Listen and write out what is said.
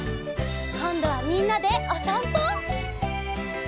こんどはみんなでおさんぽ！